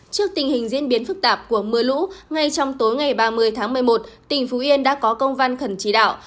trước tình hình diễn biến phức tạp của mưa lũ ngay trong tối ngày ba mươi tháng một mươi một tỉnh phú yên đã có công văn khẩn chỉ đạo